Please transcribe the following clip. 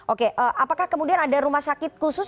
oke apakah kemudian ada rumah sakit khusus